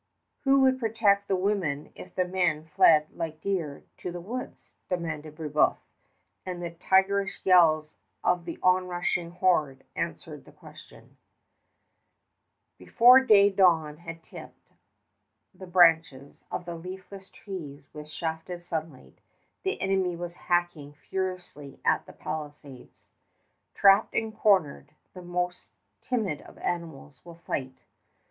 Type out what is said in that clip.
"Who would protect the women if the men fled like deer to the woods?" demanded Brébeuf, and the tigerish yells of the on rushing horde answered the question. [Illustration: BRÉBEUF] Before day dawn had tipped the branches of the leafless trees with shafted sunlight, the enemy were hacking furiously at the palisades. Trapped and cornered, the most timid of animals will fight.